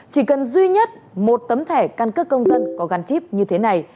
chỉ cần duy nhất một tấm thẻ căn cước công dân có gắn chip như thế này